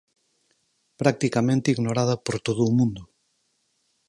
Practicamente ignorada por todo o mundo.